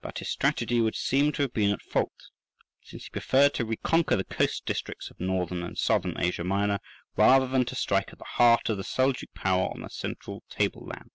But his strategy would seem to have been at fault since he preferred to reconquer the coast districts of Northern and Southern Asia Minor, rather than to strike at the heart of the Seljouk power on the central table land.